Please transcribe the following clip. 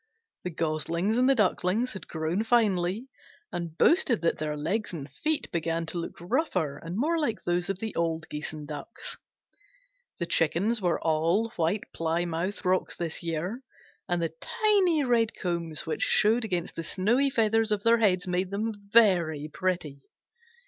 The Goslings and the Ducklings had grown finely, and boasted that their legs and feet began to look rougher and more like those of the old Geese and Ducks. The Chickens were all White Plymouth Rocks this year, and the tiny red combs which showed against the snowy feathers of their heads made them very pretty.